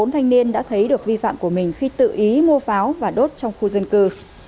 bốn thanh niên đã thấy được vi phạm của mình khi tự ý mua pháo và đốt trong khu dân cư